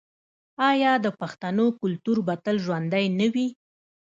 آیا د پښتنو کلتور به تل ژوندی نه وي؟